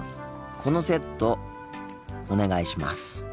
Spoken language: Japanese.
このセットお願いします。